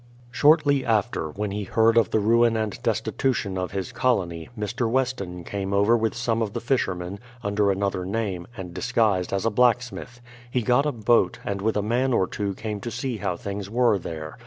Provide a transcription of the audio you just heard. Shortly after, when he heard of the ruin and destitution of his colony, Mr. .Weston came over with some of the 114 BRADFORD'S HISTORY OF fishermen, under another name, and disguised as a bla'ck smith. He got a boat, and with a man or two came to see how things were there.